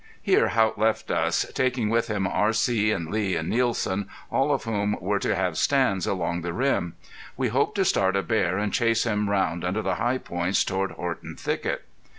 Here Haught left us, taking with him R.C. and Lee and Nielsen, all of whom were to have stands along the rim. We hoped to start a bear and chase him round under the high points toward Horton Thicket.